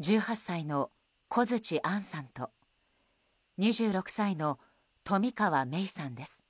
１８歳の小槌杏さんと２６歳の冨川芽生さんです。